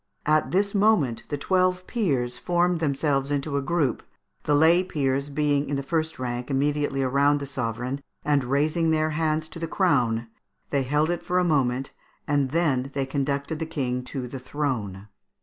At this moment the twelve peers formed themselves into a group, the lay peers being in the first rank, immediately around the sovereign, and raising their hands to the crown, they held it for a moment, and then they conducted the King to the throne.